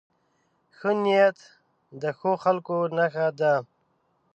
ښه نیت د ښو خلکو نښه ده.